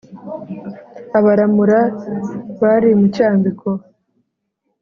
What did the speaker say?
abaramura bari mu cyambiko.